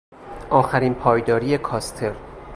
آخرین پایداری کاستر